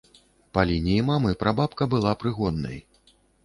Па лініі мамы прабабка была прыгоннай.